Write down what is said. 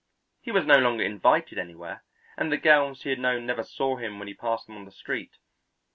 He was no longer invited anywhere, and the girls he had known never saw him when he passed them on the street.